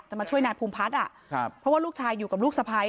มาช่วยนายภูมิพัฒน์อ่ะครับเพราะว่าลูกชายอยู่กับลูกสะพ้าย